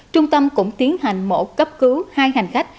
trung tâm cũng tiến hành mổ cấp cứu hai hành khách